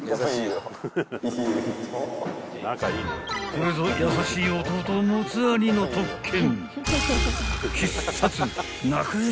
［これぞ優しい弟を持つ兄の特権］